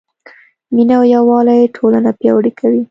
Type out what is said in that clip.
مینه او یووالی ټولنه پیاوړې کوي.